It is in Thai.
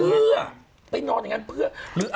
เพื่อไปนอนอย่างนั้นเพื่อหรือ